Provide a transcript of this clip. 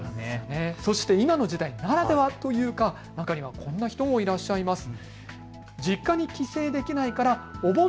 そして今の時代ならではというか中にはこんな人もいらっしゃいます。